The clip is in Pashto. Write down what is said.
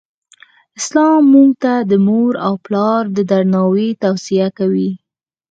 اسلام مونږ ته د مور او پلار د درناوې توصیه کوی.